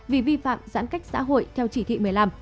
vì vi phạm giãn cách xã hội theo chỉ thị một mươi năm